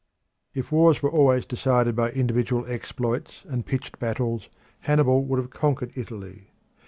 If wars were always decided by individual exploits and pitched battles, Hannibal would have conquered Italy.